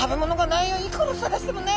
いくら探してもない。